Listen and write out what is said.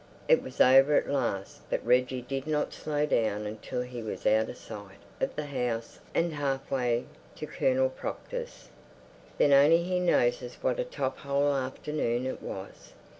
It was over at last, but Reggie did not slow down until he was out of sight of the house and half way to Colonel Proctor's. Then only he noticed what a top hole afternoon it was.